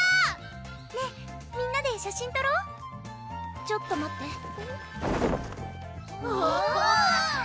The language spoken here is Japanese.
ねぇみんなで写真とろうちょっと待っておぉ！